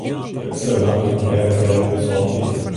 De grutste lannen hearre dêr dus al by.